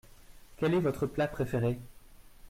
Quel est votre plat préféré ?